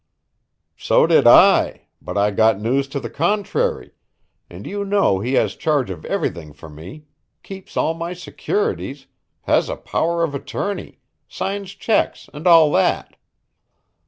"So did I, but I've got news to the contrary, and you know he has charge of everything for me keeps all my securities has a power of attorney signs checks and all that."